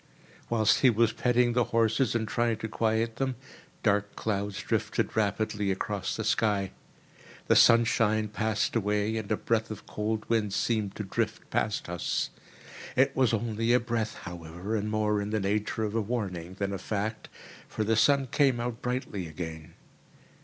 Whilst he was petting the horses and trying to quiet them, dark clouds drifted rapidly across the sky. The sunshine passed away, and a breath of cold wind seemed to drift past us. It was only a breath, however, and more in the nature of a warning than a fact, for the sun came out brightly again.